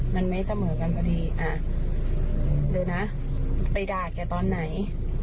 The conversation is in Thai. มันไม่เสมอกันพอดีอ่ะดูนะไปดาดแก่ตอนไหน